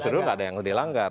justru nggak ada yang dilanggar